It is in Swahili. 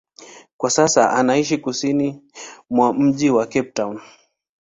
Kwa sasa anaishi kusini mwa mji wa Cape Town.